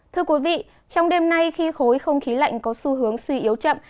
thưa quý vị trong đêm nay khi khối không khí lạnh có xu hướng suy yếu chậm